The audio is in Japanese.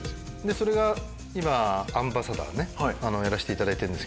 それが今アンバサダーねやらせていただいてるんですけど。